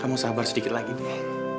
kamu sabar sedikit lagi deh